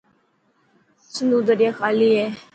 سنڌو دريا خلي هي.